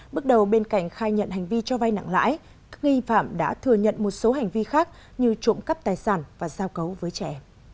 bước đầu bên cạnh khai nhận hành vi cho vay nặng lãi các nghi phạm đã thừa nhận một số hành vi khác như trộm cắp tài sản và giao cấu với trẻ